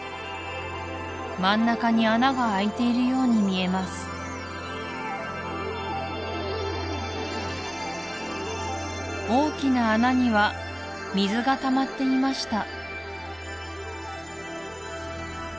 真ん中に穴が開いているように見えます大きな穴には水がたまっていました